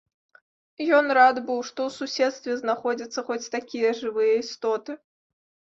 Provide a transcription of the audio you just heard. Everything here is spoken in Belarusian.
Ён рад быў, што ў суседстве знаходзяцца хоць такія жывыя істоты.